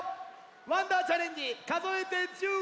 「わんだーチャレンジかぞえて１０」！